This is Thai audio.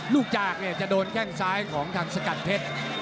ลูกจากเนี่ยจะโดนแข่งซ้ายของทางสกัดเพชร